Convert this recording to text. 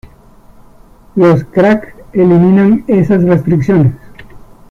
Los "crack" eliminan esas restricciones.